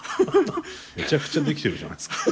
めちゃくちゃできてるじゃないですか。